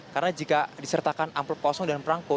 karena jika disertakan amplop kosong dan perangko